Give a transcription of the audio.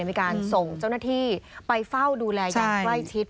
มีการส่งเจ้าหน้าที่ไปเฝ้าดูแลอย่างใกล้ชิด